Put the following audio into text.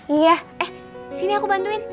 iya eh disini aku bantuin